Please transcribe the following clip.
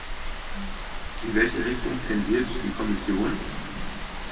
In welche Richtung tendiert die Kommission?